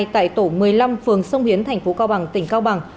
tại tổ một mươi năm phường sông hiến tp cao bằng tỉnh cao bằng